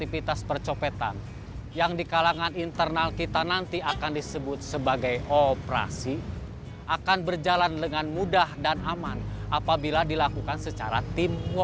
bisa range nya tolong di enough tempat